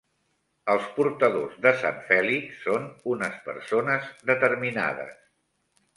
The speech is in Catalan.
Els portadors de Sant Fèlix són unes persones determinades.